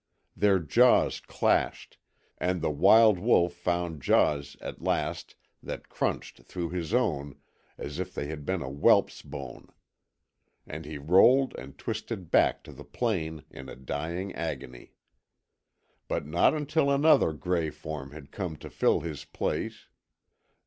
Their jaws clashed, and the wild wolf found jaws at last that crunched through his own as if they had been whelp's bone, and he rolled and twisted back to the plain in a dying agony. But not until another gray form had come to fill his place.